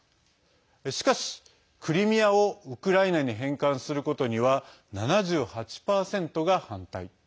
しかし、クリミアをウクライナに返還することには７８％が反対。